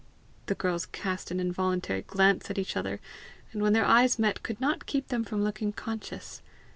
The girls cast an involuntary glance at each other, and when their eyes met, could not keep them from looking conscious.